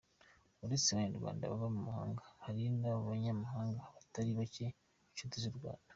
Uretse abanyarwanda baba mu mahanga, hari nabanyamahanga batari bacye b'inshuti z'u Rwanda.